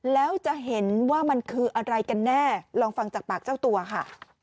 แล้วจะเห็นว่ามันคืออะไรกันแน่ลองฟังจากปากเจ้าตัวค่ะ